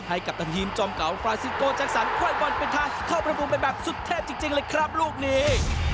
กัปตันทีมจอมเก่าฟราซิโกแจ็คสันไขว้บอลเป็นทางเข้าประมูลไปแบบสุดเทพจริงเลยครับลูกนี้